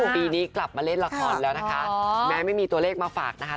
ปีนี้กลับมาเล่นละครแล้วนะคะแม้ไม่มีตัวเลขมาฝากนะคะ